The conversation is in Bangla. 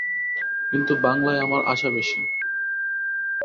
কিন্তু বাঙলায় আমার আশা বেশী।